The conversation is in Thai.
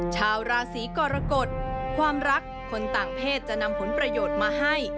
ชาวราศีกรกฎความรักคนต่างเพศจะนำผลประโยชน์มาให้